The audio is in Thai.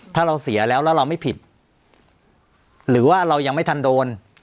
ถ้าเราเสียแล้วแล้วเราไม่ผิดหรือว่าเรายังไม่ทันโดน